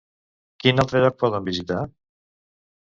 Quin altre lloc poden visitar?